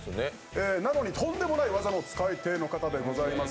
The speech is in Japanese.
なのにとんでもない技の使い手でございます。